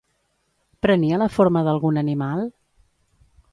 Prenia la forma d'algun animal?